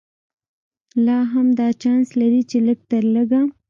لا هم دا چانس لري چې لږ تر لږه.